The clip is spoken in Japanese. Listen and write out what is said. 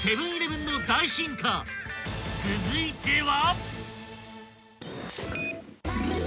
［続いては］